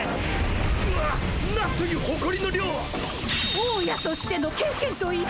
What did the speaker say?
大家としての経験と意地！